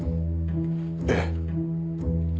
ええ。